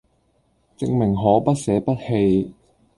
證明可不捨不棄